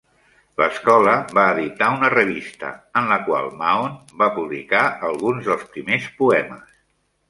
L'escola va editar una revista en la qual Mahon va publicar alguns dels primers poemes.